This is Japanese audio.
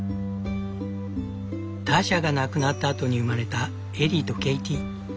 ターシャが亡くなった後に生まれたエリーとケイティ。